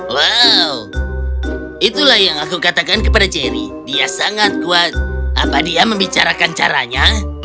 wow itulah yang aku katakan kepada jerry dia sangat kuat apa dia membicarakan caranya